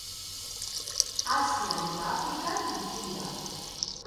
Asian eta Afrikan bizi dira.